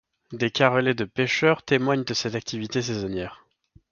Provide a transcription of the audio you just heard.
Des carrelets de pêcheurs témoignent de cette activité saisonnière.